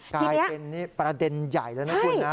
กลายเป็นประเด็นใหญ่แล้วนะคุณนะ